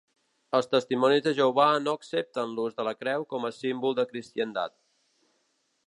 Els Testimonis de Jehovà no accepten l'ús de la creu com a símbol de cristiandat.